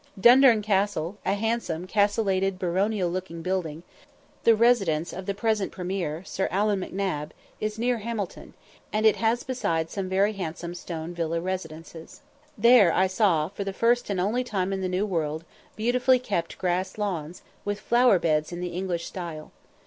Dundurn Castle, a handsome, castellated, baronial looking building, the residence of the present Premier, Sir Allan M'Nab, is near Hamilton, and it has besides some very handsome stone villa residences. There I saw, for the first and only time in the New World, beautifully kept grass lawns, with flower beds in the English style.